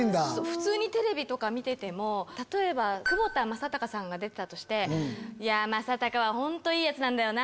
普通にテレビとか見てても例えば窪田正孝さんが出てたとしていや正孝はホントいいヤツなんだよな。